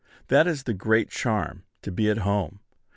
That is the great charm, to be at home.